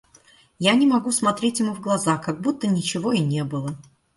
Я не могу смотреть ему в глаза, как будто ничего и не было.